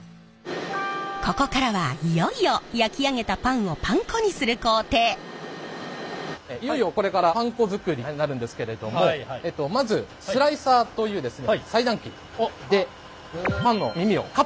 ここからはいよいよ焼き上げたパンをいよいよこれからパン粉作りになるんですけれどもまずスライサーという裁断機でパンの耳をカットしていきます。